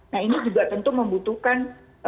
nah ini juga tentu membutuhkan